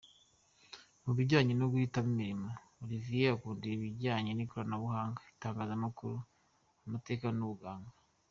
Mu bijyanye no guhitamo imirimo, Olivier akunda ibijyanye n’ikoranabuhanga, itangazamakuru, amateka n’ubuganga.